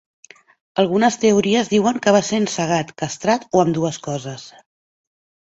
Algunes teories diuen que va ser encegat, castrat, o ambdues coses.